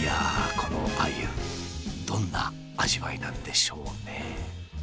このアユどんな味わいなんでしょうね。